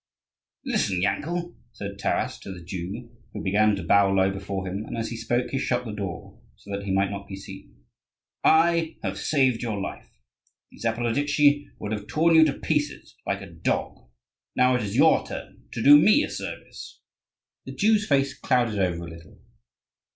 "Listen, Yankel," said Taras to the Jew, who began to bow low before him, and as he spoke he shut the door so that they might not be seen, "I saved your life: the Zaporozhtzi would have torn you to pieces like a dog. Now it is your turn to do me a service." The Jew's face clouded over a little.